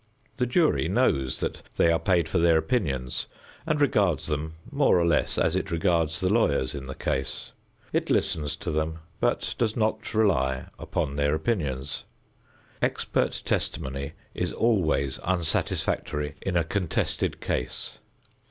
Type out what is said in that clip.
The jury knows that they are paid for their opinions and regards them more or less as it regards the lawyers in the case. It listens to them but does not rely upon their opinions. Expert testimony is always unsatisfactory in a contested case.